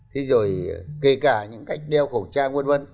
thì rồi kể cả những cách đeo khẩu trang vân vân